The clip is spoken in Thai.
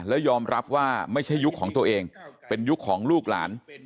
แล้วยอมรับว่าไม่ใช่ยุคของตัวเองเป็นยุคของลูกหลาน